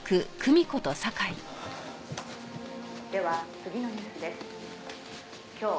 「では次のニュースです」